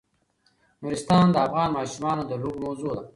نورستان د افغان ماشومانو د لوبو موضوع ده.